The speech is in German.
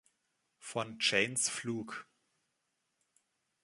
Von Janes Flug.